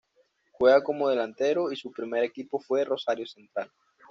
Juega como delantero y su primer equipo fue Rosario Central.